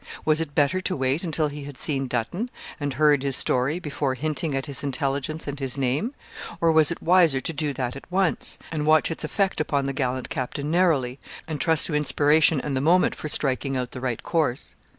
Was it better to wait until he had seen Dutton, and heard his story, before hinting at his intelligence and his name or was it wiser to do that at once, and watch its effect upon the gallant captain narrowly, and trust to inspiration and the moment for striking out the right course.